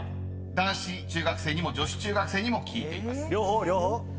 ［男子中学生にも女子中学生にも聞いています］